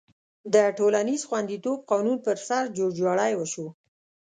د ټولنیز خوندیتوب قانون پر سر جوړجاړی وشو.